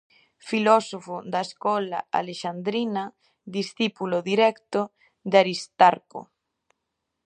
Filósofo da escola alexandrina, discípulo directo de Aristarco.